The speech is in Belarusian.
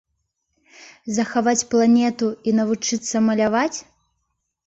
Захаваць планету і навучыцца маляваць?